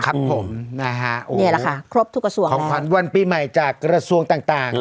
ครับผมนะฮะนี่แหละค่ะครบทุกกระทรวงของขวัญวันปีใหม่จากกระทรวงต่างต่าง